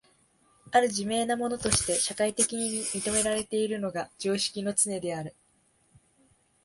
或る自明なものとして社会的に認められているのが常識のつねである。